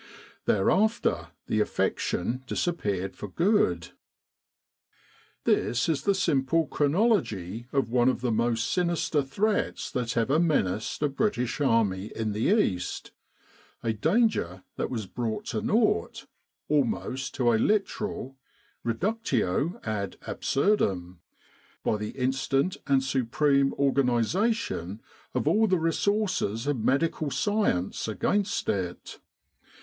Thereafter the affection dis appeared for good. This is the simple chronology of one of the most sinister threats that ever menaced a British army in the East a danger that was brought to nought, almost to a literal reductio ad absurdum, by the instant and supreme organisation of all the resources of medical science against it.